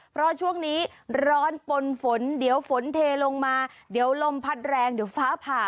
เพราะช่วงนี้ร้อนปนฝนเดี๋ยวฝนเทลงมาเดี๋ยวลมพัดแรงเดี๋ยวฟ้าผ่า